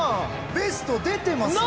ベスト出てますよね。